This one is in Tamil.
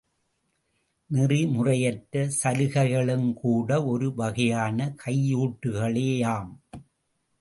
நெறிமுறையற்ற சலுகைகளும்கூட ஒரு வகையான கையூட்டுக்களேயாம்.